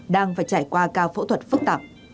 đang phải trải qua ca phẫu thuật phức tạp